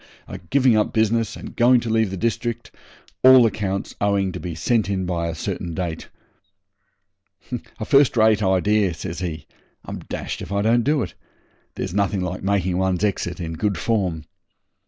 are giving up business and going to leave the district, all accounts owing to be sent in by a certain date.' 'A first rate idea,' says he. 'I'm dashed if I don't do it. There's nothing like making one's exit in good form.